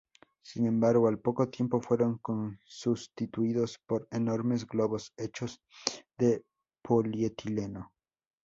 Sin embargo, al poco tiempo, fueron sustituidos por enormes globos hechos de polietileno.